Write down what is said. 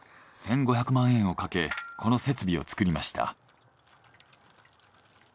１，５００万円をかけこの設備を造りました。